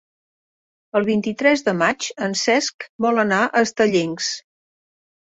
El vint-i-tres de maig en Cesc vol anar a Estellencs.